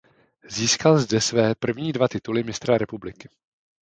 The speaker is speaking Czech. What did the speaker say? Získal zde své první dva tituly mistra republiky.